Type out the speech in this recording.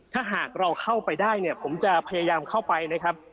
ถ้าหากเราเข้าไปได้เนี่ยผมจะพยายามเข้าไปนะครับ